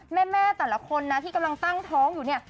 แม่แต่ละคนนะที่กำลังตั้งท้องอยู่เนี่ย